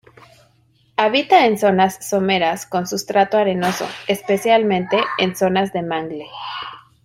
Habita en zonas someras con sustrato arenoso, especialmente en zonas de mangle.